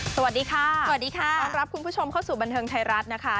สวัสดีค่ะสวัสดีค่ะต้อนรับคุณผู้ชมเข้าสู่บันเทิงไทยรัฐนะคะ